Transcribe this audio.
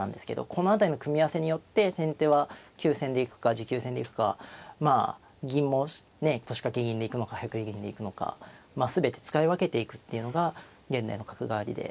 この辺りの組み合わせによって先手は急戦で行くか持久戦で行くか銀も腰掛け銀で行くのか早繰り銀で行くのかまあ全て使い分けていくっていうのが現代の角換わりで。